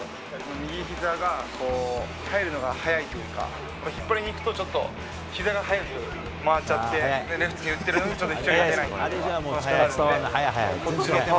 右ひざが入るのが早いというか、引っ張りにいくとちょっとひざが早く回っちゃって、レフトに打ってるのに飛距離が出ないという。